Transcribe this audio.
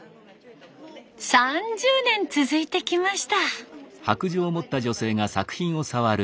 ３０年続いてきました。